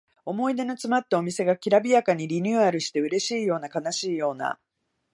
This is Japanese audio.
思い出のつまったお店がきらびやかにリニューアルしてうれしいような悲しいような